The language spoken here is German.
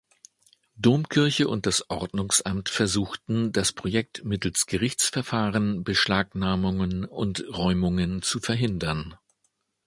Domkirche und das Ordnungsamt versuchten, das Projekt mittels Gerichtsverfahren, Beschlagnahmungen und Räumungen zu verhindern.